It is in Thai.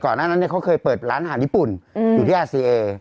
เค้าเคยเปิดร้านอาหารญี่ปุ่นอยู่ที่อาเซีเอ